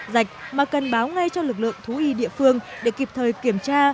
dạch mà cần báo ngay cho lực lượng thú y địa phương để kịp thời kiểm tra